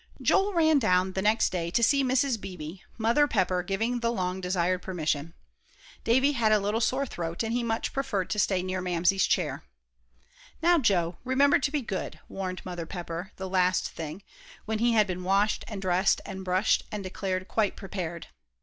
Joel ran down the next day to see Mrs. Beebe, Mother Pepper giving the long desired permission. Davie had a little sore throat, and he much preferred to stay near Mamsie's chair. "Now, Joe, remember to be good," warned Mother Pepper, the last thing, when he had been washed and dressed and brushed and declared quite prepared.